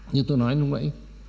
như tôi nói lúc nãy